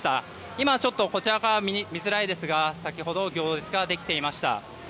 今、ちょっとこちらから見づらいですが先ほどは行列ができていました。